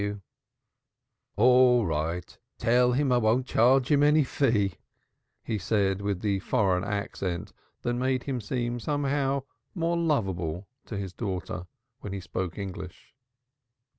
"All right; tell him it shall be done at cost price," he said, with the foreign accent that made him somehow seem more lovable to his daughter when he spoke English.